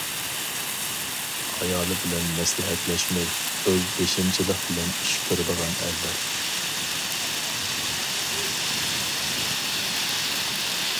ئايالى بىلەن مەسلىھەتلەشمەي، ئۆز بېشىمچىلىق بىلەن ئىش كۆرىدىغان ئەرلەر.